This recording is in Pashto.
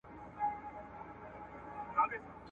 آیا په وړیا ډول د معلوماتو ترلاسه کول ممکن دي؟